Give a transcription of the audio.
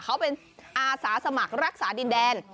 เขาเป็นอาสาสมัครรักษาดินแดน